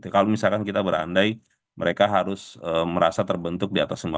kalau misalkan kita berandai mereka harus merasa terbentuk